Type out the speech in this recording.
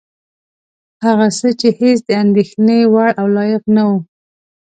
هغه څه چې هېڅ د اندېښنې وړ او لایق نه وه.